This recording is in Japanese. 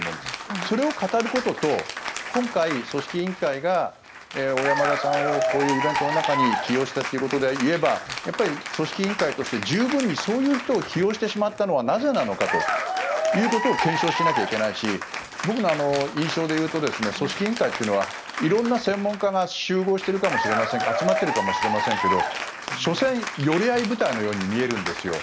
それを語ることと今回、組織委員会が小山田さんをこういうイベントの中に起用したということで言えば組織委員会として十分にそういう人を起用してしまったのはなぜなのかということを検証しなければいけないし僕の印象で言うと組織委員会というのは色んな専門家が集合しているかもしれません集まっているかもしれませんが所詮、寄り合い部隊のように見えるんですよ。